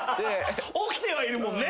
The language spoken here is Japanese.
起きてはいるもんね。